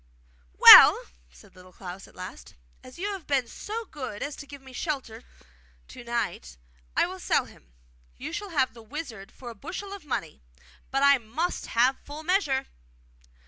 'Well!' said Little Klaus at last, 'as you have been so good as to give me shelter to night, I will sell him. You shall have the wizard for a bushel of money, but I must have full measure.